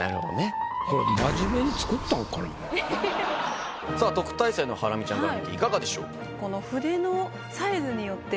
これさあ特待生のハラミちゃんから見ていかがでしょうか？